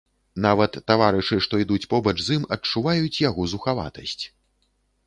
Нават таварышы, што ідуць побач з ім, адчуваюць яго зухаватасць.